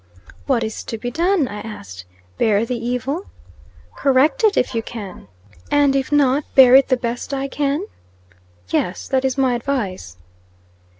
"What is to be done?" I asked. "Bear the evil?" "Correct it, if you can." "And if not, bear it the best I can?" "Yes, that is my advice."